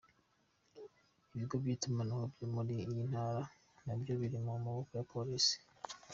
Ibigo by’itumanaho byo muri iyo ntara nabyo biri mu maboko ya Polisi.